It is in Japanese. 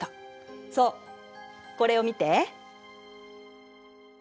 そうこれを見て。